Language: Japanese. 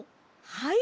はい。